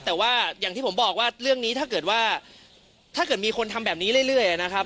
แต่ว่าอย่างที่ผมบอกว่าเรื่องนี้ถ้าเกิดว่าถ้าเกิดมีคนทำแบบนี้เรื่อยนะครับ